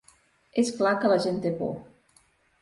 És clar que la gent té por.